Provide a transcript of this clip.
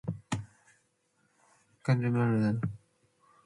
cacuidanenda bacuë